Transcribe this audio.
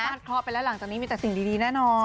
เคราะห์ไปแล้วหลังจากนี้มีแต่สิ่งดีแน่นอน